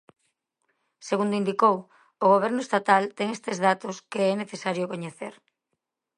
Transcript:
Segundo indicou, o Goberno estatal ten estes datos que é necesario coñecer.